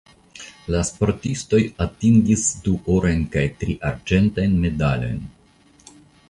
La sportistoj atingis du orajn kaj tri arĝentajn medalojn.